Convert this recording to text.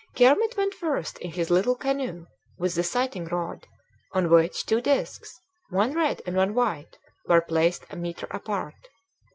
Kermit went first in his little canoe with the sighting rod, on which two disks, one red and one white, were placed a metre apart.